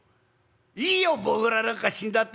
「いいよボウフラなんか死んだって！」。